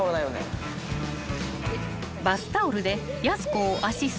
［バスタオルでやす子をアシスト］